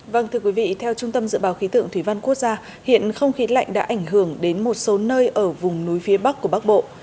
vâng thưa quý vị theo trung tâm dự báo khí tượng thủy văn quốc gia hiện không khí lạnh đã ảnh hưởng đến một số nơi ở vùng núi phía bắc của bắc bộ